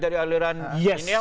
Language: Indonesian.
dari aliran ini